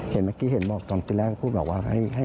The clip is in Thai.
เห็นเมื่อกี้เห็นบอกตอนที่แรกพูดบอกว่า